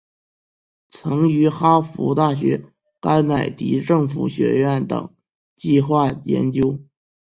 曾于哈佛大学甘乃迪政府学院等计画研究。